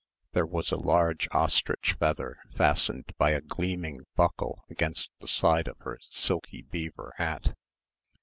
There was a large ostrich feather fastened by a gleaming buckle against the side of her silky beaver hat.